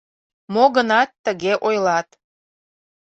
Мо-гынат, тыге ойлат.